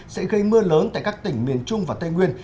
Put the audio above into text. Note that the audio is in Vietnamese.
sẽ gây mưa lớn tại các tỉnh miền trung và tây nguyên